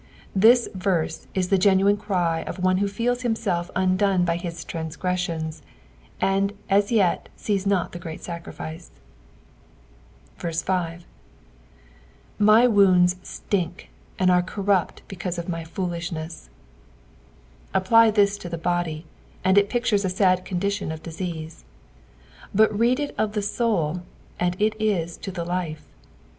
This verse is the genuine cry of one who feels himself undone by his transgressions and as yet sees not the great aacriflce. 5. "My ieoattdt ttinh and are corrupt beamieof my /ooluhneet." Apply this to the body, and it pictures a sad condition of disease ; but read it of the soul, and it is to the life.